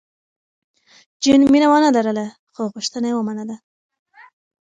جین مینه ونه لرله، خو غوښتنه یې ومنله.